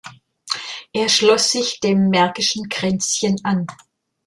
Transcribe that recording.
Er schloss sich dem Märkischen Kränzchen an.